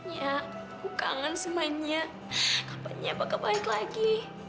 ya aku kangen semuanya kapannya bakal balik lagi